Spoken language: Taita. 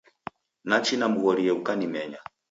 Nachi namghorieghe ukanimenya.